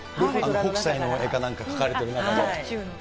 北斎の絵かなんか描かれてる中で。